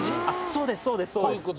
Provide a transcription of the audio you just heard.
そうですそうです。